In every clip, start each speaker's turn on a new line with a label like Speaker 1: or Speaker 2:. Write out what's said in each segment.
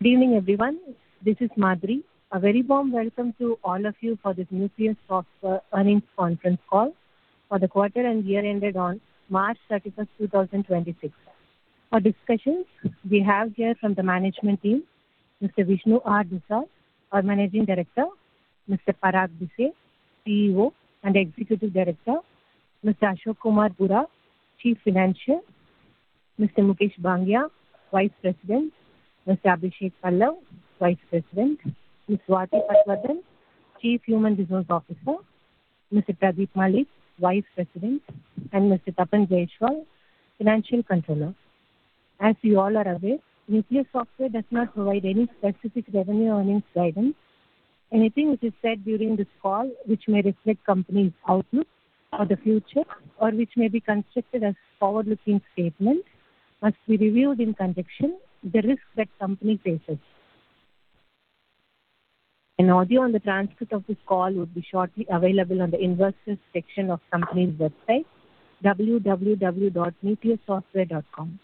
Speaker 1: Good evening, everyone. This is Madhuri. A very warm welcome to all of you for this Nucleus Software earnings conference call for the quarter and year ended on March 31st, 2026. For discussions, we have here from the management team, Mr. Vishnu R. Dusad, our Managing Director. Mr. Parag Bhise, CEO and Executive Director. Mr. Ashok Kumar Bhura, Chief Financial Officer. Mr. Mukesh Bangia, Vice President. Mr. Abhishek Pallav, Vice President. Ms. Swati Patwardhan, Chief Human Resource Officer. Mr. Pradeep Malik, Vice President, and Mr. Tapan Jayaswal, Financial Controller. As you all are aware, Nucleus Software does not provide any specific revenue earnings guidance. Anything which is said during this call which may reflect company's outlook for the future or which may be constructed as forward-looking statement must be reviewed in conjunction with the risk that company faces. An audio on the transcript of this call would be shortly available on the investors section of company's website, www.nucleussoftware.com.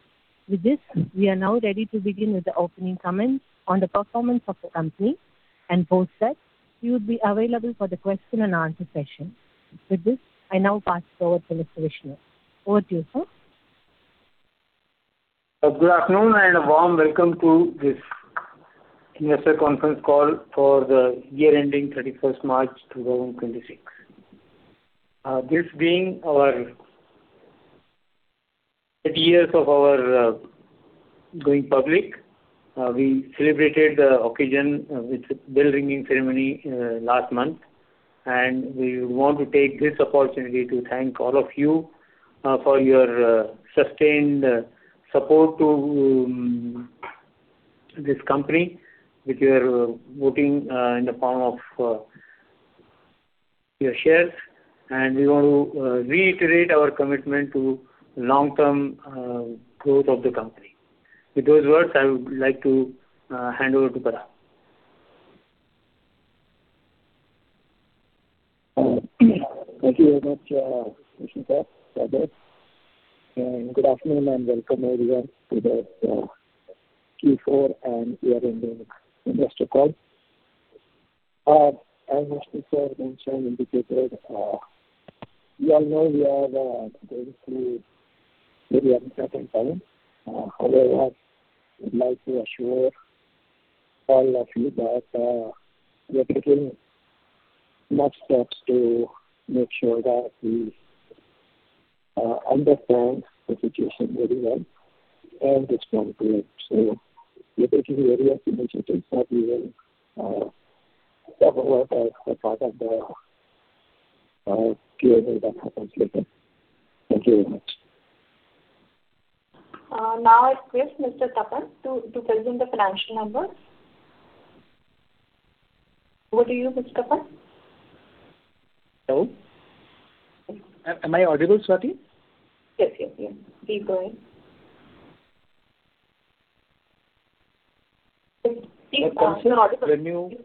Speaker 1: We are now ready to begin with the opening comments on the performance of the company, post that, we would be available for the question and answer session. I now pass forward to Mr. Vishnu. Over to you, sir.
Speaker 2: Good afternoon and a warm welcome to this investor conference call for the year ending March 31st, 2026. This being our years of our going public, we celebrated the occasion with bell ringing ceremony last month, and we want to take this opportunity to thank all of you for your sustained support to this company with your voting in the form of your shares, and we want to reiterate our commitment to long-term growth of the company. With those words, I would like to hand over to Parag.
Speaker 3: Thank you very much, Vishnu sir, for that. Good afternoon and welcome, everyone, to the Q4 and year-ending investor call. As Vishnu sir mentioned, indicated, we all know we are going through very uncertain times. However, I would like to assure all of you that we're taking much steps to make sure that we understand the situation very well and it's going to improve. We're taking various initiatives that we will cover as a part of the Q&A that happens later. Thank you very much.
Speaker 4: Now I request Mr. Tapan to present the financial numbers. Over to you, Mr. Tapan.
Speaker 5: Hello. Am I audible, Swati?
Speaker 4: Yes. Please go ahead.
Speaker 5: Our consolidated revenue-
Speaker 4: Please answer audibly.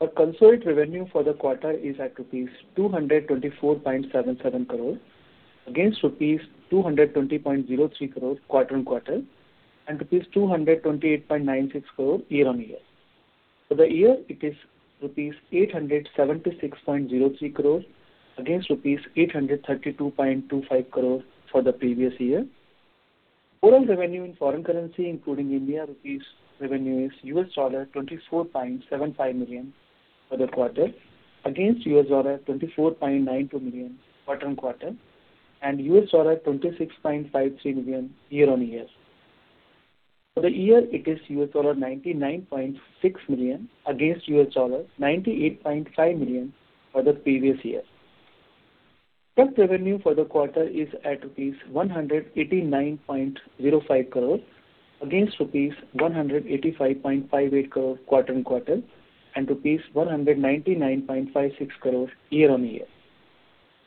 Speaker 5: Our consolidated revenue for the quarter is at rupees 224.77 crore against rupees 220.03 crore quarter-on-quarter, and rupees 228.96 crore year-on-year. For the year, it is rupees 876.03 crore against rupees 832.25 crore for the previous year. Total revenue in foreign currency including India rupees revenue is $24.75 million for the quarter, against $24.92 million quarter-on-quarter, and $26.53 million year-on-year. For the year, it is $99.6 million against $98.5 million for the previous year. Tax revenue for the quarter is at rupees 189.05 crore against rupees 185.58 crore quarter-on-quarter, and rupees 199.56 crore year-on-year.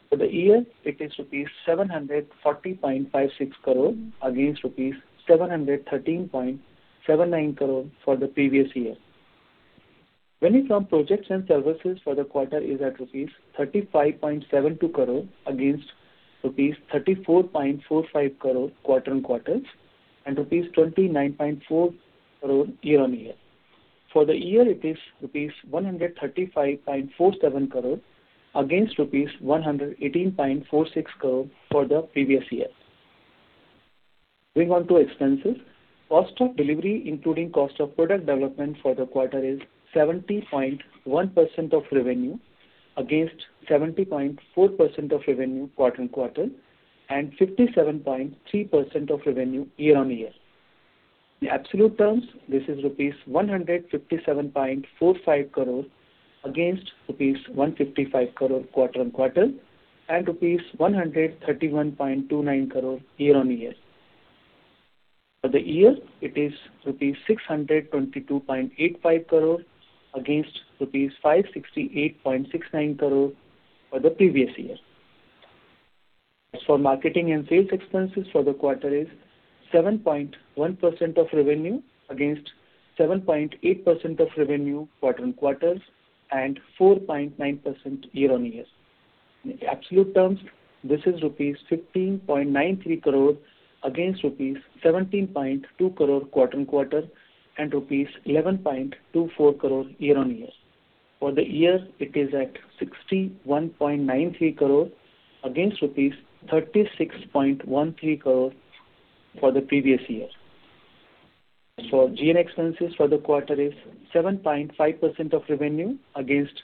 Speaker 5: For the year, it is rupees 740.56 crore against rupees 713.79 crore for the previous year. Revenue from projects and services for the quarter is at rupees 35.72 crore against rupees 34.45 crore quarter-on-quarter, and rupees 29.40 crore year-on-year. For the year, it is rupees 135.47 crore against rupees 118.46 crore for the previous year. Moving on to expenses. Cost of delivery, including cost of product development for the quarter is 70.1% of revenue against 70.4% of revenue quarter-on-quarter, and 57.3% of revenue year-on-year. In absolute terms, this is rupees 157.45 crore against rupees 155 crore quarter-on-quarter, and rupees 131.29 crore year-on-year. For the year, it is rupees 622.85 crore against rupees 568.69 crore for the previous year. As for marketing and sales expenses for the quarter is 7.1% of revenue against 7.8% of revenue quarter-on-quarter and 4.9% year-on-year. In absolute terms, this is rupees 15.93 crore against rupees 17.2 crore quarter-on-quarter, and rupees 11.24 crore year-on-year. For the year, it is at 61.93 crore against rupees 36.13 crore for the previous year. G&A expenses for the quarter is 7.5% of revenue against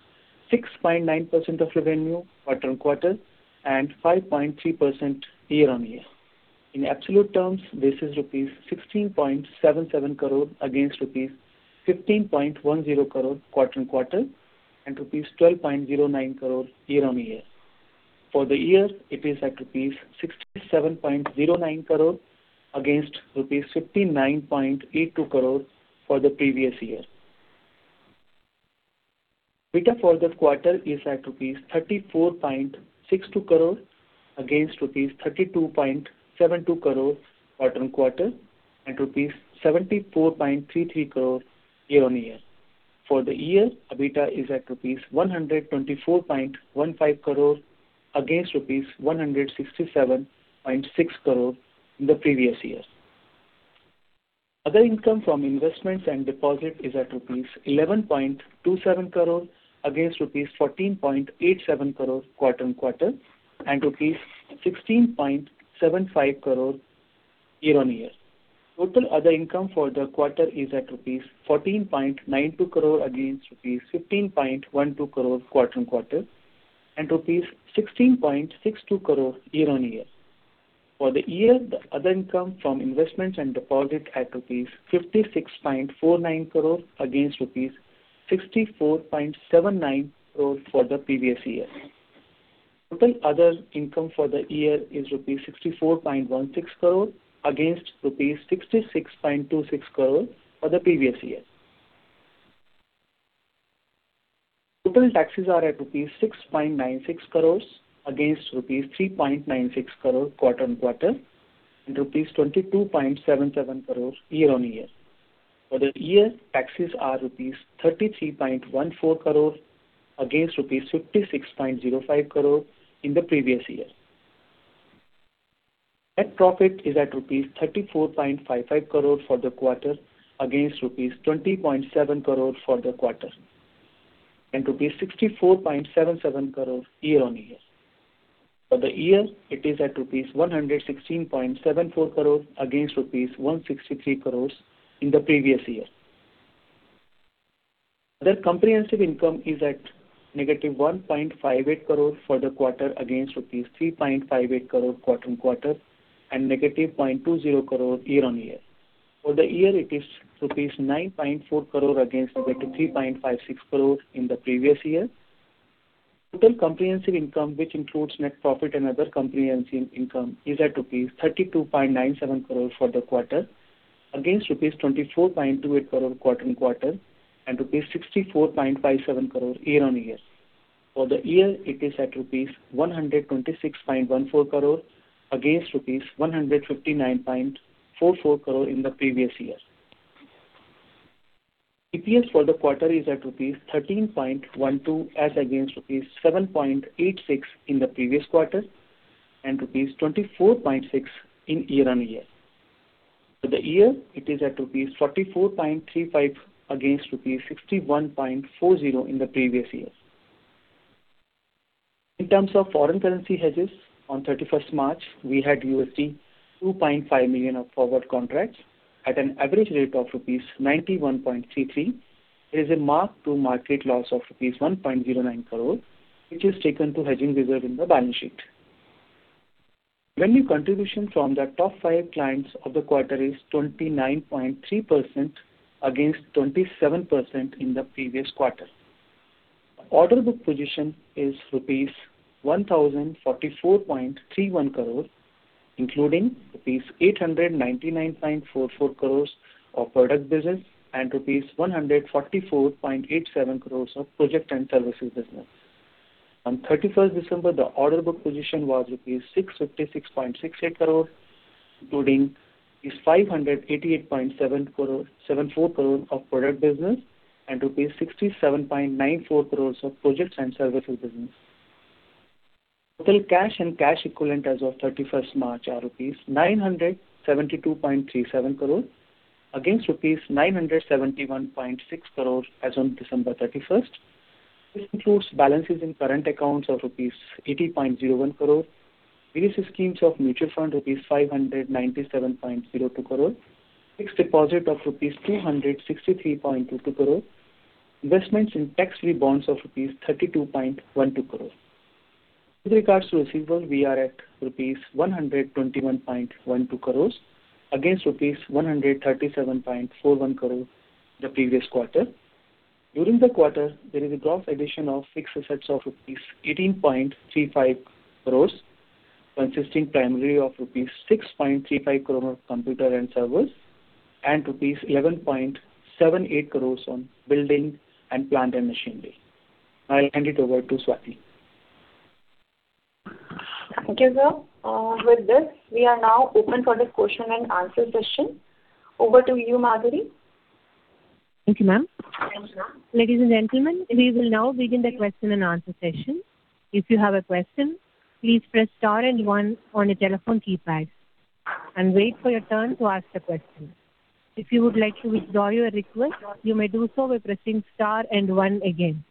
Speaker 5: 6.9% of revenue quarter-on-quarter, and 5.3% year-on-year. In absolute terms, this is rupees 16.77 crore against rupees 15.10 crore quarter-on-quarter, and rupees 12.09 crore year-on-year. For the year, it is at rupees 67.09 crore against rupees 59.82 crore for the previous year. EBITDA for the quarter is at INR 34.62 crore against INR 32.72 crore quarter-on-quarter, and INR 74.33 crore year-on-year. For the year, EBITDA is at INR 124.15 crore against INR 167.60 crore in the previous year. Other income from investments and deposit is at rupees 11.27 crore against rupees 14.87 crore quarter-on-quarter, and rupees 16.75 crore year-on-year. Total other income for the quarter is at rupees 14.92 crore against rupees 15.12 crore quarter-on-quarter, and rupees 16.62 crore year-on-year. For the year, the other income from investments and deposit at rupees 56.49 crore against rupees 64.79 crore for the previous year. Total other income for the year is rupees 64.16 crore against rupees 66.26 crore for the previous year. Total taxes are at INR 6.96 crore against INR 3.96 crore quarter-on-quarter, and INR 22.77 crore year-on-year. For the year, taxes are INR 33.14 crore against INR 56.05 crore in the previous year. Net profit is at INR 34.55 crore for the quarter against rupees 20.7 crore for the quarter, and 64.77 crore year-on-year. For the year, it is at rupees 116.74 crore against rupees 163 crore in the previous year. Other comprehensive income is at -1.58 crore for the quarter against rupees 3.58 crore quarter-on-quarter, and -0.20 crore year-on-year. For the year, it is rupees 9.4 crore against -3.56 crore in the previous year. Total comprehensive income, which includes net profit and other comprehensive income, is at rupees 32.97 crore for the quarter against rupees 24.28 crore quarter-on-quarter, and rupees 64.57 crore year-on-year. For the year, it is at rupees 126.14 crore against rupees 159.44 crore in the previous year. EPS for the quarter is at rupees 13.12 as against rupees 7.86 in the previous quarter, and rupees 24.6 in year-on-year. For the year, it is at rupees 44.35 against rupees 61.40 in the previous year. In terms of foreign currency hedges, on 31st March, we had $2.5 million of forward contracts at an average rate of rupees 91.33. There is a mark to market loss of rupees 1.09 crore, which is taken to hedging reserve in the balance sheet. Revenue contribution from the top five clients of the quarter is 29.3% against 27% in the previous quarter. Order book position is 1,044.31 crore rupees, including 899.44 crores rupees of product business and 144.87 crores rupees of project and services business. On 31st December, the order book position was 656.68 crore rupees, including 588.74 crore rupees of product business and rupees 67.94 crores of projects and services business. Total cash and cash equivalent as of 31st March are rupees 972.37 crore against rupees 971.6 crores as on December 31st. This includes balances in current accounts of rupees 80.01 crore. Various schemes of mutual fund, rupees 597.02 crore. Fixed deposit of rupees 363.22 crore. Investments in tax refunds of rupees 32.12 crore. With regards to receivable, we are at rupees 121.12 crores against rupees 137.41 crore the previous quarter. During the quarter, there is a gross addition of fixed assets of rupees 18.35 crores, consisting primarily of rupees 6.35 crore of computer and servers, and rupees 11.78 crores on building and plant and machinery. I will hand it over to Swati.
Speaker 4: Thank you, sir. With this, we are now open for the question and answer session. Over to you, Madhuri.
Speaker 1: Thank you, ma'am. Ladies and gentlemen, we will now begin the question and answer session. If you have a question, please press star and one on your telephone keypad and wait for your turn to ask the question. If you would like to withdraw your request, you may do so by pressing star and one again.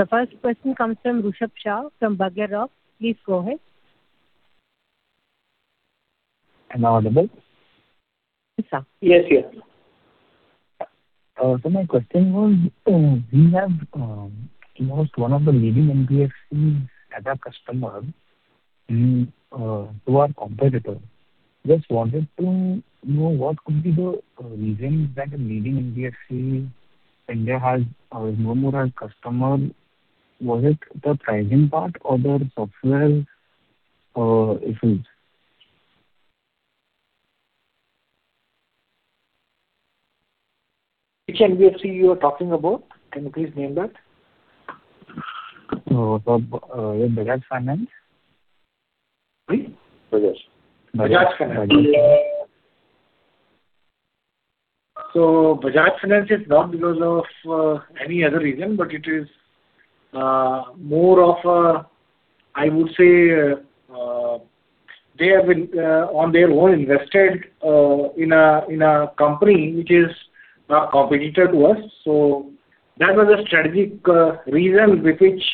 Speaker 1: The first question comes from Rushabh Shah from BugleRock. Please go ahead.
Speaker 6: Am I audible?
Speaker 1: Yes, sir.
Speaker 6: My question was, we have lost one of the leading NBFC as a customer to our competitor. Just wanted to know what could be the reason that a leading NBFC in India has no more our customer. Was it the pricing part or their software issues?
Speaker 3: Which NBFC you are talking about? Can you please name that?
Speaker 6: Bajaj Finance.
Speaker 3: Sorry?
Speaker 6: Bajaj.
Speaker 3: Bajaj Finance. Bajaj Finance is not because of any other reason, but it is more of a, I would say, they have on their own invested in a company which is a competitor to us. That was the strategic reason with which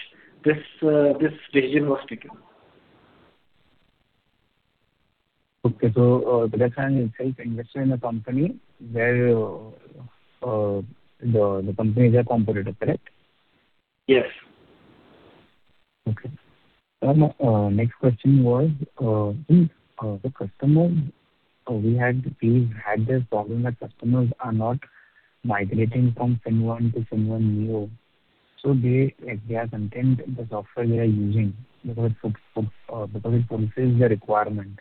Speaker 3: this decision was taken.
Speaker 6: Okay. Bajaj Finance has invested in a company where the company is a competitor, correct?
Speaker 3: Yes.
Speaker 6: Okay. Next question was, the customer. We had this problem that customers are not migrating from FinnOne to FinnOne Neo. They are content with the software they are using because it fulfills their requirement.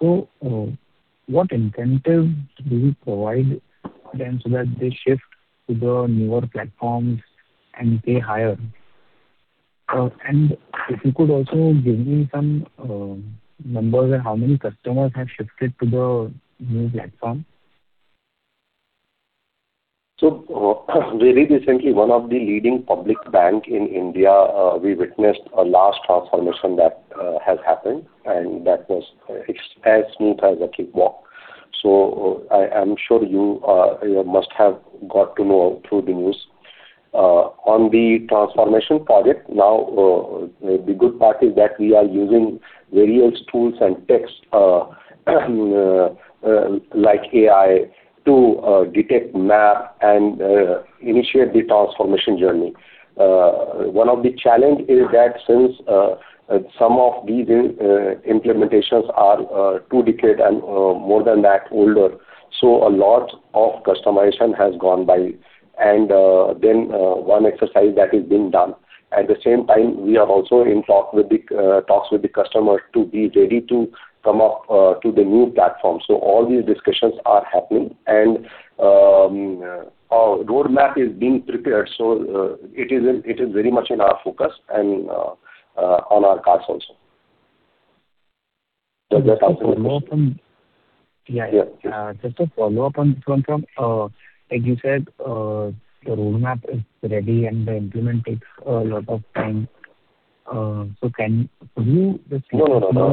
Speaker 6: What incentives do you provide them so that they shift to the newer platforms and pay higher? If you could also give me some numbers on how many customers have shifted to the new platform.
Speaker 2: Very recently, one of the leading public bank in India, we witnessed a large transformation that has happened, and that was as smooth as a cakewalk. I'm sure you must have got to know through the news. On the transformation project, now, the good part is that we are using various tools and techs, like AI, to detect, map, and initiate the transformation journey. One of the challenge is that since some of these implementations are two decade and more than that older, so a lot of customization has gone by. One exercise that is being done. At the same time, we are also in talks with the customers to be ready to come up to the new platform. All these discussions are happening and our roadmap is being prepared. It is very much in our focus and on our cards also.
Speaker 6: Just a follow-up on
Speaker 2: Yes.
Speaker 6: Just a follow-up on from, like you said, the roadmap is ready, and the implement takes a lot of time.
Speaker 2: No.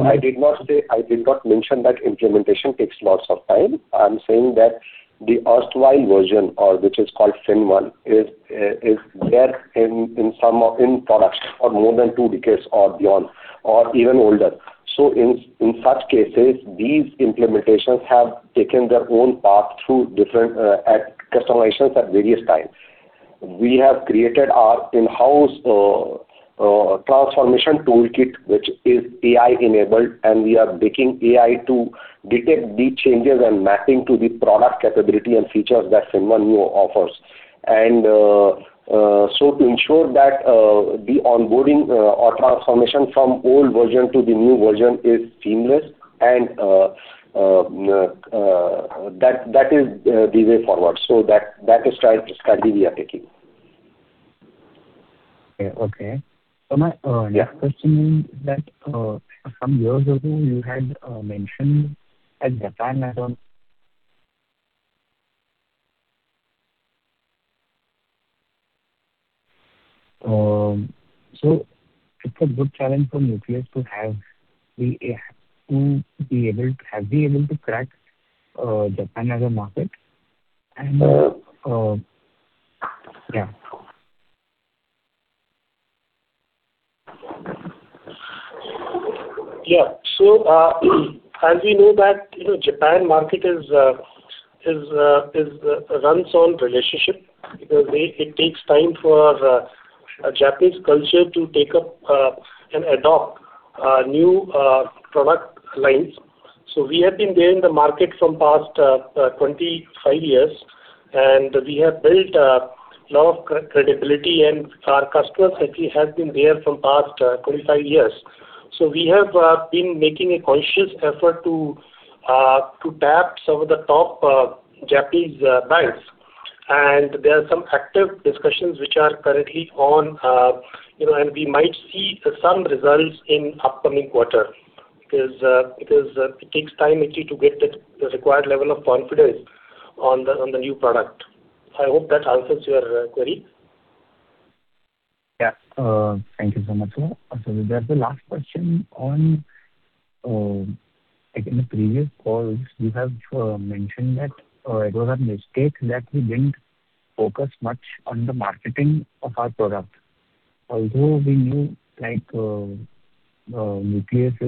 Speaker 2: I did not mention that implementation takes lots of time. I'm saying that the erstwhile version, which is called FinnOne, is there in production for more than two decades or beyond, or even older. In such cases, these implementations have taken their own path through different customizations at various times. We have created our in-house transformation toolkit, which is AI-enabled, and we are taking AI to detect the changes and mapping to the product capability and features that FinnOne Neo offers. To ensure that the onboarding or transformation from old version to the new version is seamless, and that is the way forward. That is strategy we are taking.
Speaker 6: Okay. My next question is that some years ago, you had mentioned at that time. It's a good challenge for Nucleus to have. Have you able to crack Japan as a market? Yeah.
Speaker 7: Yeah. As we know that Japan market runs on relationship because it takes time for the Japanese culture to take up and adopt new product lines. We have been there in the market from past 25 years, and we have built a lot of credibility, and our customers actually have been there from past 25 years. We have been making a conscious effort to tap some of the top Japanese banks There are some active discussions which are currently on, and we might see some results in upcoming quarter. Because it takes time actually to get the required level of confidence on the new product. I hope that answers your query.
Speaker 6: Yeah. Thank you so much, sir. Sir, the last question on, in the previous calls, you have mentioned that it was a mistake that we didn't focus much on the marketing of our product, although we knew Nucleus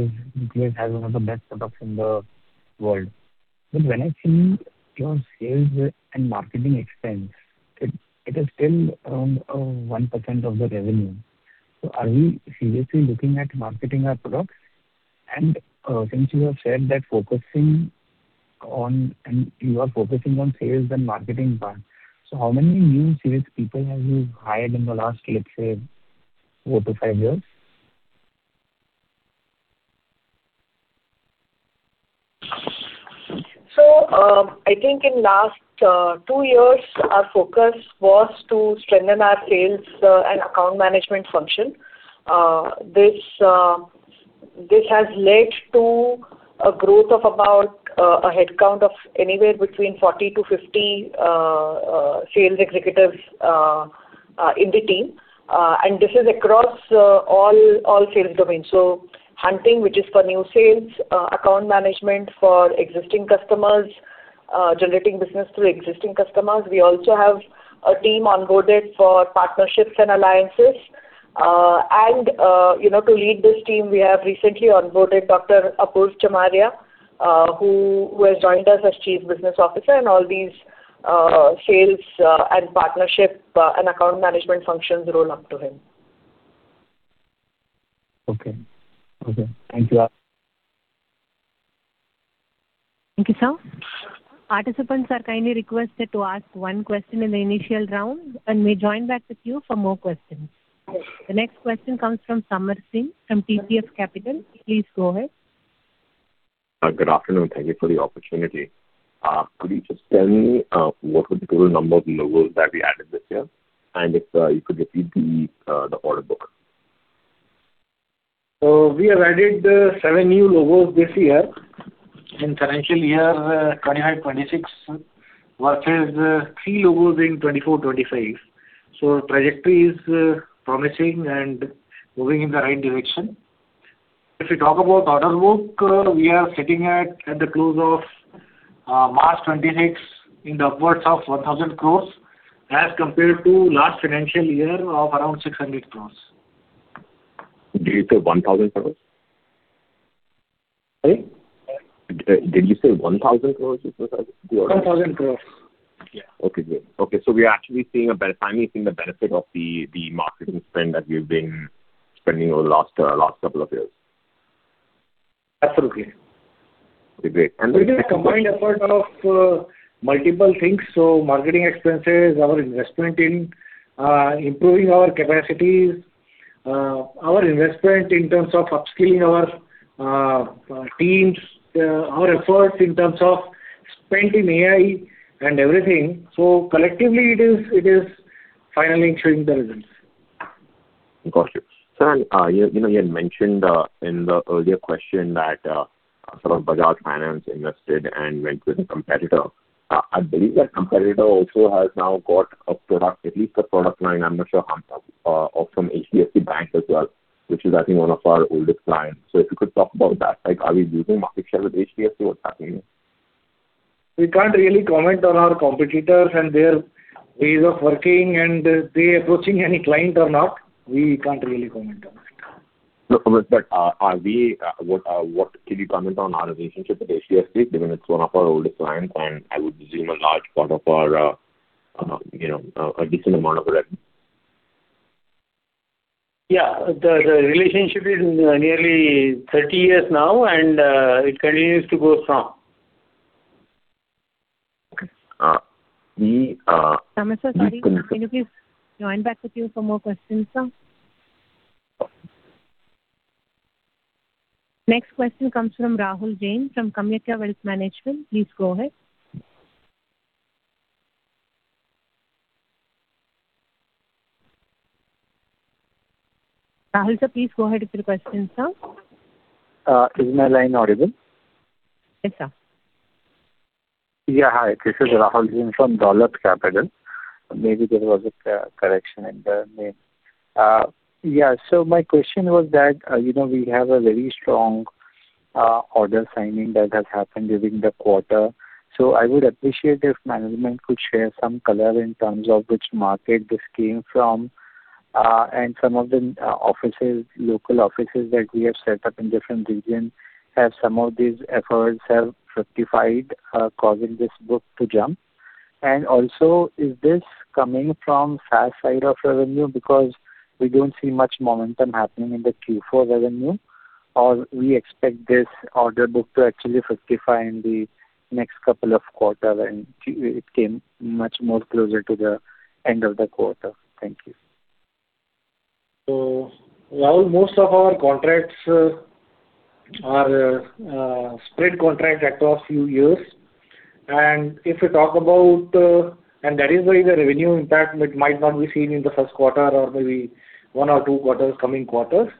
Speaker 6: has one of the best products in the world. When I see your sales and marketing expense, it is still around 1% of the revenue. Are we seriously looking at marketing our products? Since you have said that you are focusing on sales and marketing part, how many new sales people have you hired in the last, let's say, four to five years?
Speaker 4: I think in last two years, our focus was to strengthen our sales and account management function. This has led to a growth of about a headcount of anywhere between 40-50 sales executives in the team. This is across all sales domains. Hunting, which is for new sales, account management for existing customers, generating business through existing customers. We also have a team onboarded for partnerships and alliances. To lead this team, we have recently onboarded Dr. Apurva Chamaria, who has joined us as Chief Business Officer in all these sales and partnership and account management functions roll up to him.
Speaker 6: Okay. Thank you.
Speaker 1: Thank you, sir. Participants are kindly requested to ask one question in the initial round and may join back with queue for more questions. The next question comes from Samarth Singh from TPF Capital. Please go ahead.
Speaker 8: Good afternoon. Thank you for the opportunity. Could you just tell me what was the total number of logos that we added this year? If you could repeat the order book?
Speaker 7: We have added seven new logos this year in financial year 2026 versus three logos in 2024, 2025. Trajectory is promising and moving in the right direction. If we talk about order book, we are sitting at the close of March 2026 in the upwards of 1,000 crores as compared to last financial year of around 600 crores.
Speaker 8: Did you say 1,000 crores?
Speaker 7: Sorry?
Speaker 8: Did you say 1,000 crores you said?
Speaker 7: 1,000 crores. Yeah.
Speaker 8: Okay, great. We are actually finally seeing the benefit of the marketing spend that we've been spending over the last couple of years.
Speaker 7: Absolutely.
Speaker 8: Okay, great.
Speaker 7: It is a combined effort of multiple things. Marketing expenses, our investment in improving our capacities, our investment in terms of upskilling our teams, our efforts in terms of spend in AI and everything. Collectively it is finally showing the results.
Speaker 8: Got you. Sir, you had mentioned in the earlier question that Bajaj Finance invested and went with a competitor. I believe that competitor also has now got a product, at least a product line, I'm not sure, from HDFC Bank as well, which is I think one of our oldest clients. If you could talk about that. Are we losing market share with HDFC? What's happening there?
Speaker 7: We can't really comment on our competitors and their ways of working and they approaching any client or not. We can't really comment on it.
Speaker 8: No, what can you comment on our relationship with HDFC, given it's one of our oldest clients and I would assume a decent amount of revenue?
Speaker 7: Yeah. The relationship is nearly 30 years now and it continues to go strong.
Speaker 8: Okay.
Speaker 1: Samarth sir, sorry. Can you please join back with queue for more questions, sir? Next question comes from Rahul Jain from Kamyatya Wealth Management. Please go ahead. Rahul sir, please go ahead with your question, sir.
Speaker 9: Is my line audible?
Speaker 1: Yes, sir.
Speaker 9: Yeah. Hi, this is Rahul Jain from Dolat Capital. Maybe there was a correction in the name. Yeah. My question was that, we have a very strong order signing that has happened during the quarter. I would appreciate if management could share some color in terms of which market this came from, and some of the local offices that we have set up in different regions, have some of these efforts have fructified, causing this book to jump. Also is this coming from SaaS side of revenue? We don't see much momentum happening in the Q4 revenue. We expect this order book to actually fructify in the next couple of quarter and it came much more closer to the end of the quarter. Thank you.
Speaker 7: Rahul, most of our contracts are spread contract across few years. That is why the revenue impact might not be seen in the first quarter or maybe one or two coming quarters.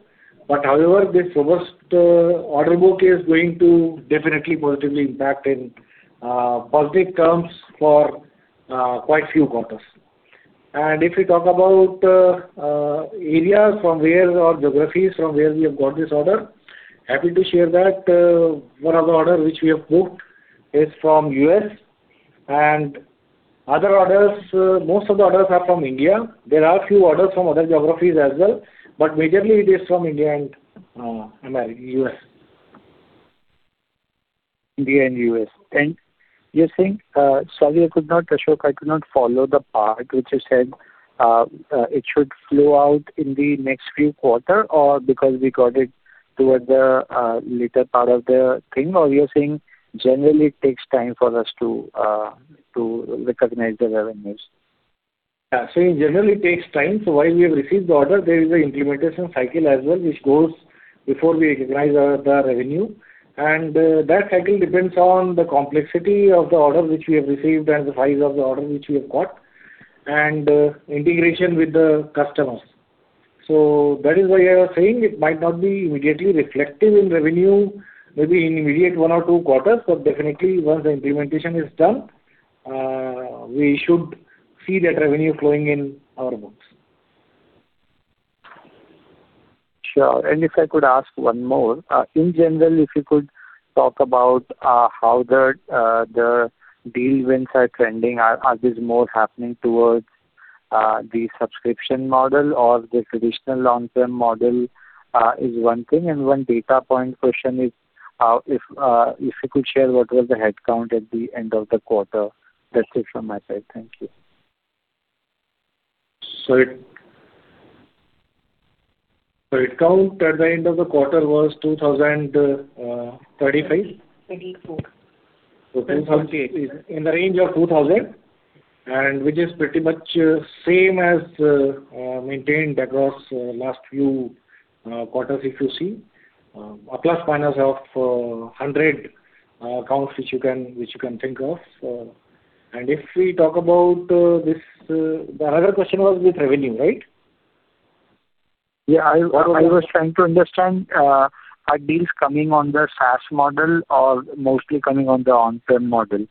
Speaker 7: However, this robust order book is going to definitely positively impact in positive terms for quite a few quarters. If we talk about areas or geographies from where we have got this order, happy to share that one of the orders which we have booked is from U.S. and most of the orders are from India. There are few orders from other geographies as well, but majorly it is from India and U.S.
Speaker 9: India and U.S. You're saying Sorry, Ashok, I could not follow the part which you said it should flow out in the next few quarter or because we got it towards the later part of the thing, or you're saying generally it takes time for us to recognize the revenues?
Speaker 7: Yeah. In general, it takes time. While we have received the order, there is an implementation cycle as well, which goes before we recognize the revenue. That cycle depends on the complexity of the order which we have received and the size of the order which we have got, and integration with the customers. That is why I was saying it might not be immediately reflective in revenue, maybe in immediate one or two quarters. Definitely, once the implementation is done, we should see that revenue flowing in our books.
Speaker 9: Sure. If I could ask one more. In general, if you could talk about how the deal wins are trending. Are these more happening towards the subscription model or the traditional long-term model is one thing. One data point question is, if you could share what was the headcount at the end of the quarter? That's it from my side. Thank you.
Speaker 7: Headcount at the end of the quarter was 2,035.
Speaker 4: 2034.
Speaker 7: In the range of 2,000, and which is pretty much same as maintained across last few quarters, if you see. A plus minus of 100 counts, which you can think of. If we talk about this, the another question was with revenue, right?
Speaker 9: Yeah. I was trying to understand, are deals coming on the SaaS model or mostly coming on the on-prem model?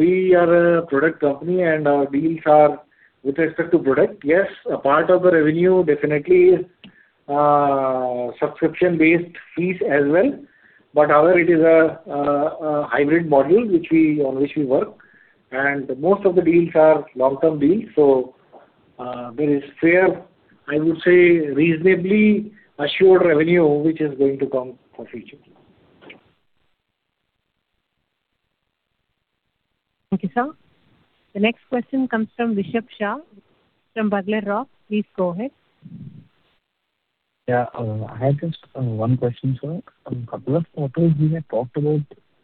Speaker 7: We are a product company and our deals are with respect to product. Yes, a part of the revenue definitely is subscription-based fees as well. However, it is a hybrid model on which we work, and most of the deals are long-term deals. There is fair, I would say, reasonably assured revenue which is going to come for future.
Speaker 1: Thank you, sir. The next question comes from Rushabh Shah from BugleRock. Please go ahead.
Speaker 6: Yeah. I have just one question, sir. A couple of quarters you had talked about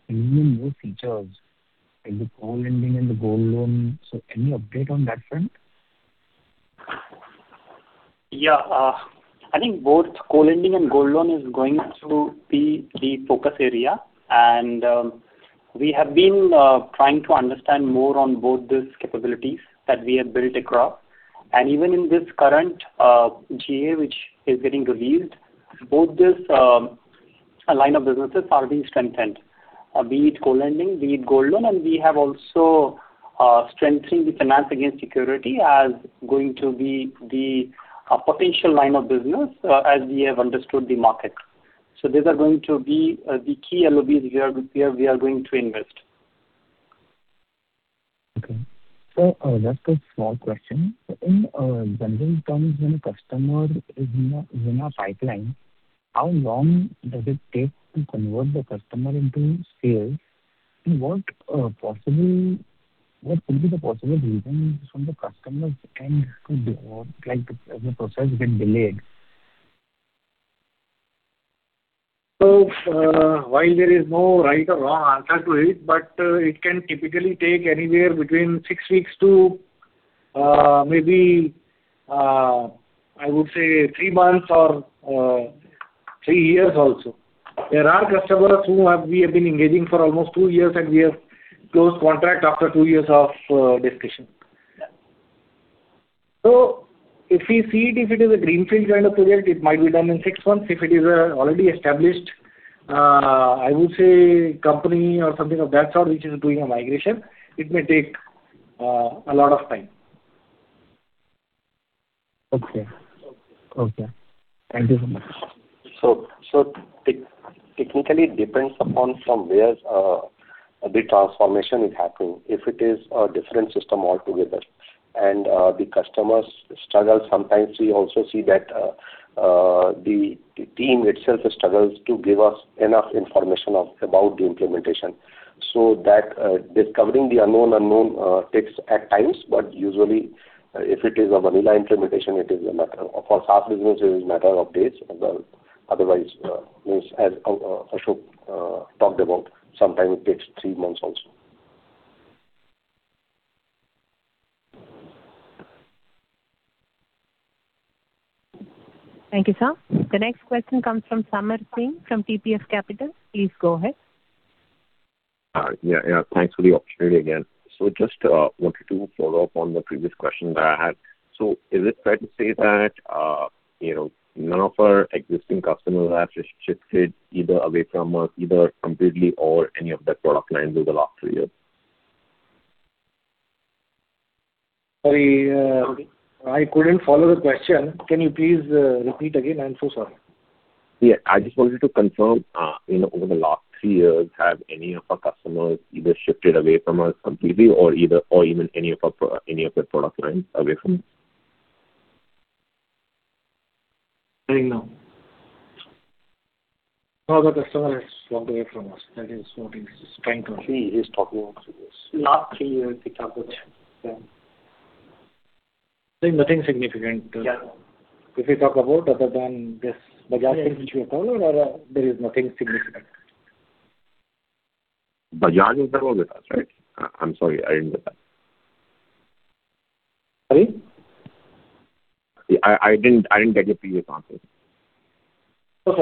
Speaker 6: bringing new features in the co-lending and the gold loan. Any update on that front?
Speaker 7: Yeah. I think both co-lending and gold loan is going to be the focus area and we have been trying to understand more on both these capabilities that we have built across. Even in this current GA which is getting released, both these line of businesses are being strengthened. Be it co-lending, be it gold loan, and we have also strengthening the finance against security as going to be the potential line of business as we have understood the market. These are going to be the key LOBs where we are going to invest.
Speaker 6: Okay. Sir, just a small question. In general terms, when a customer is in a pipeline, how long does it take to convert the customer into sales? What could be the possible reasons from the customer's end if the process gets delayed?
Speaker 7: While there is no right or wrong answer to it, but it can typically take anywhere between six weeks to maybe, I would say, three months or three years also. There are customers who we have been engaging for almost two years, and we have closed contract after two years of discussion.
Speaker 6: Yeah.
Speaker 7: If we see it, if it is a greenfield kind of project, it might be done in six months. If it is a already established, I would say company or something of that sort, which is doing a migration, it may take a lot of time.
Speaker 6: Okay. Thank you so much.
Speaker 3: Technically, it depends upon from where the transformation is happening. If it is a different system altogether and the customers struggle sometimes, we also see that the team itself struggles to give us enough information about the implementation. That discovering the unknown unknown takes at times. Usually, if it is a vanilla implementation, for SaaS businesses it is matter of days as well. Otherwise, as Ashok talked about, sometime it takes three months also.
Speaker 1: Thank you, sir. The next question comes from Samarth Singh from TPF Capital. Please go ahead.
Speaker 8: Yeah. Thanks for the opportunity again. Just wanted to follow up on the previous question that I had. Is it fair to say that none of our existing customers have shifted either away from us either completely or any of their product lines over the last three years?
Speaker 2: Sorry. I couldn't follow the question. Can you please repeat again? I'm so sorry.
Speaker 8: I just wanted to confirm, over the last 3 years, have any of our customers either shifted away from us completely or even any of their product lines away from us?
Speaker 2: I think, no. No other customer has walked away from us. That is what he is trying to achieve. He is talking about this. Last three years we talked about. I think nothing significant. Yeah. If we talk about other than this Bajaj thing which we have covered, there is nothing significant.
Speaker 8: Bajaj is no longer with us, right? I'm sorry, I didn't get that.
Speaker 2: Sorry?
Speaker 8: I didn't get your previous answer.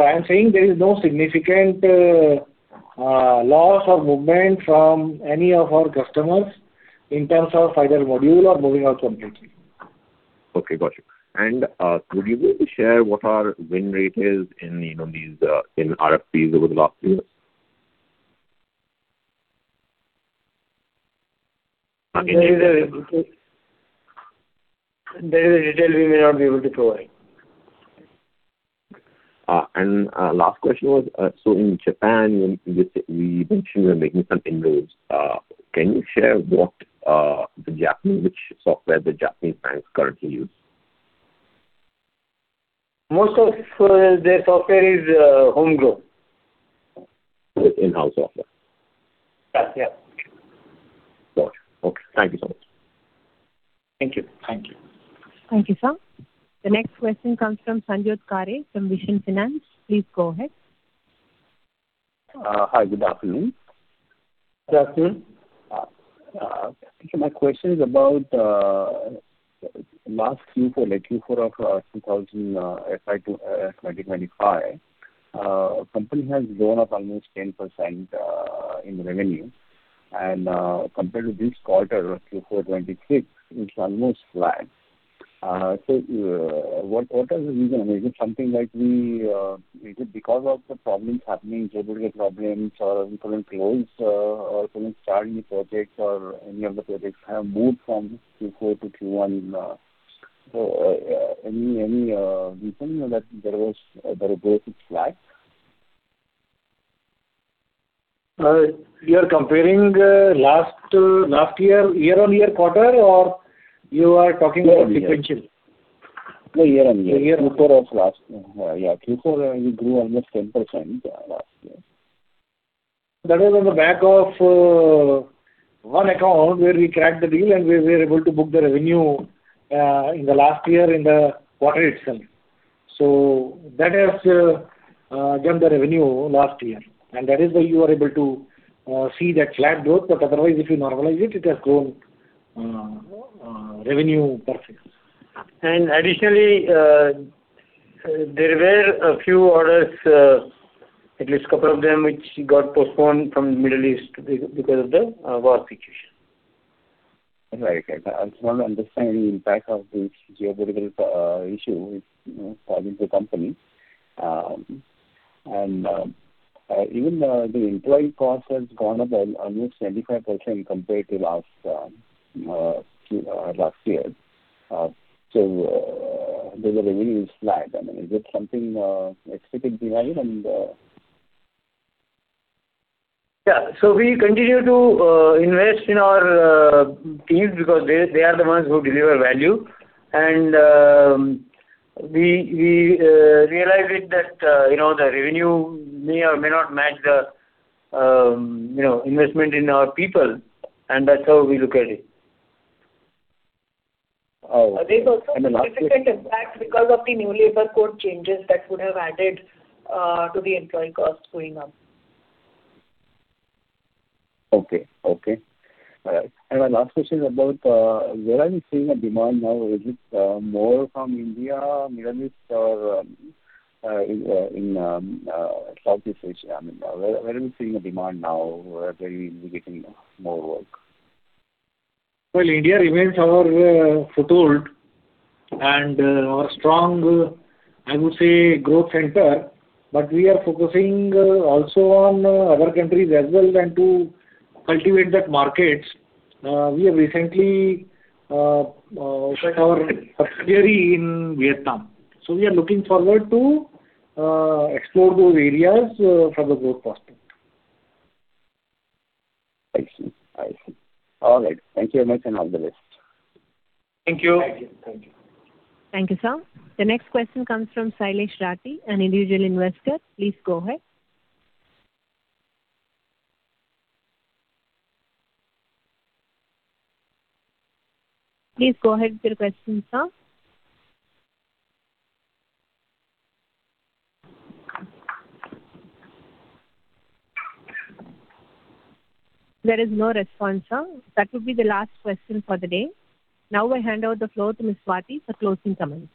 Speaker 2: I'm saying there is no significant loss or movement from any of our customers in terms of either module or moving out completely.
Speaker 8: Okay, got you. Would you be able to share what our win rate is in RFPs over the last few years?
Speaker 2: That is a detail we may not be able to provide.
Speaker 8: Last question was, so in Japan, you mentioned you were making some inroads. Can you share which software the Japanese banks currently use?
Speaker 2: Most of their software is homegrown.
Speaker 8: In-house software?
Speaker 2: Yeah.
Speaker 8: Got you. Okay. Thank you so much.
Speaker 2: Thank you. Thank you.
Speaker 1: Thank you, sir. The next question comes from Sanjyot Khare from Vision Finance. Please go ahead.
Speaker 10: Hi, good afternoon.
Speaker 2: Good afternoon.
Speaker 10: My question is about last Q4, like Q4 of FY2025. Company has grown up almost 10% in revenue and compared to this quarter, Q4 2026, it's almost flat. What is the reason? Is it because of the problems happening, geopolitical problems, or even current close, or even starting projects or any of the projects have moved from Q4 to Q1? Any reason that there was a very basic slack?
Speaker 2: You're comparing last year-on-year quarter or you are talking about sequential?
Speaker 10: No, year-on-year.
Speaker 2: Year-on-year.
Speaker 10: Q4 of last year. Yeah, Q4 we grew almost 10% last year.
Speaker 2: That was on the back of one account where we cracked the deal and we were able to book the revenue in the last year in the quarter itself. That has driven the revenue last year and that is why you are able to see that flat growth but otherwise if you normalize it has grown revenue per se. Additionally, there were a few orders, at least a couple of them which got postponed from the Middle East because of the war situation.
Speaker 10: Right. Okay. I just want to understand the impact of this geopolitical issue. It's causing the company. Even the employee cost has gone up by almost 75% compared to last year. There's a revenue slack. Is it something specific behind?
Speaker 2: Yeah. We continue to invest in our teams because they are the ones who deliver value. We realized it that the revenue may or may not match the investment in our people. That's how we look at it.
Speaker 10: Oh.
Speaker 4: There's also a significant impact because of the new labor code changes that would have added to the employee cost going up.
Speaker 10: Okay. All right. My last question is about where are you seeing a demand now? Is it more from India, Middle East or in Southeast Asia? Where are we seeing a demand now? Where are we getting more work?
Speaker 2: Well, India remains our foothold and our strong, I would say, growth center. We are focusing also on other countries as well and to cultivate that market. We have recently set our subsidiary in Vietnam. We are looking forward to explore those areas for the growth prospect.
Speaker 10: I see. All right. Thank you very much and all the best.
Speaker 2: Thank you. Thank you.
Speaker 1: Thank you, sir. The next question comes from Sailesh Rathi, an individual investor. Please go ahead. Please go ahead with your question, sir. There is no response, sir. That would be the last question for the day. Now I hand over the floor to Ms. Swati for closing comments.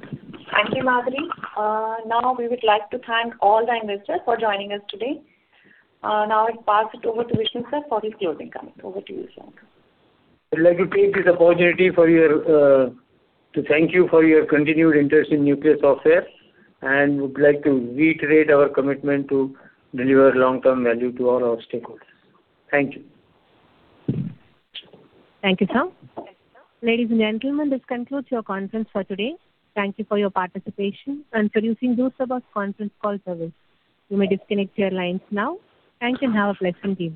Speaker 4: Thank you, Madhuri. We would like to thank all the investors for joining us today. I'll pass it over to Vishnu, sir, for his closing comments. Over to you, sir.
Speaker 2: I'd like to take this opportunity to thank you for your continued interest in Nucleus Software, and would like to reiterate our commitment to deliver long-term value to all our stakeholders. Thank you.
Speaker 1: Thank you, sir. Ladies and gentlemen, this concludes your conference for today. Thank you for your participation and for using Zeus Abbas Conference Call Service. You may disconnect your lines now. Thank you and have a pleasant day.